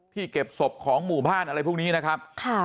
เก็บศพของหมู่บ้านอะไรพวกนี้นะครับ